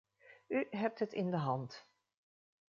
U hebt het in de hand.